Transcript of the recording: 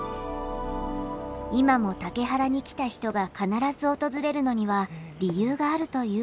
今も竹原に来た人が必ず訪れるのには理由があるというのですが。